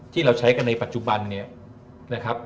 ที่เราใช้กันในปัจจุบันเนี่ยนะครับ